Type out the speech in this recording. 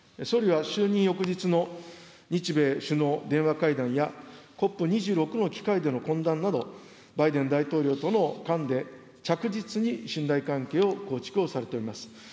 総理は就任翌日の日米首脳電話会談や、ＣＯＰ２６の機会での懇談など、バイデン大統領との間で着実に信頼関係を構築をされております。